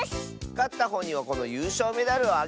かったほうにはこのゆうしょうメダルをあげるよ！